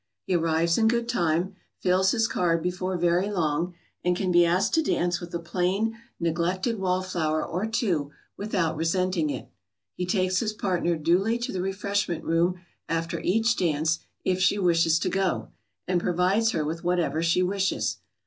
He arrives in good time, fills his card before very long, and can be asked to dance with a plain, neglected wallflower or two without resenting it. He takes his partner duly to the refreshment room after each dance, if she wishes to go, and provides her with whatever she wishes.